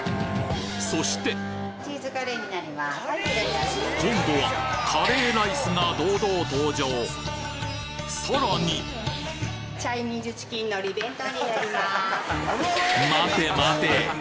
そして今度はカレーライスが堂々登場さらに待て待て。